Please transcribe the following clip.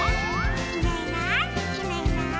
「いないいないいないいない」